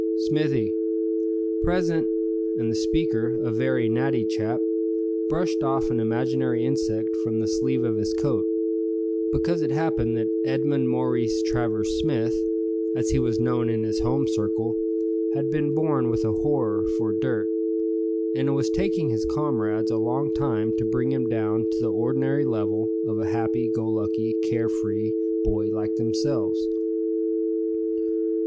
"Smithy." "Present," and the speaker, a very natty chap, brushed off an imaginary insect from the sleeve of his coat; because it happened that Edmund Maurice Travers Smith, as he was known in his home circle, had been born with a horror for dirt: and it was taking his comrades a long time to bring him down to the ordinary level of a happy go lucky, care free boy like themselves.